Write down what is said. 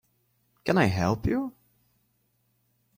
Can I help you?